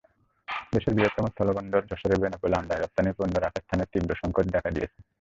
দেশের বৃহত্তম স্থলবন্দর যশোরের বেনাপোলে আমদানি-রপ্তানি পণ্য রাখার স্থানের তীব্র সংকট দেখা দিয়েছে।